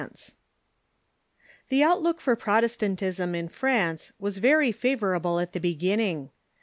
] The outlook for Protestantism in France was very favorable at the beginning.